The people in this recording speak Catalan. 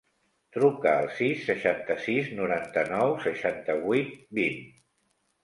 Truca al sis, seixanta-sis, noranta-nou, seixanta-vuit, vint.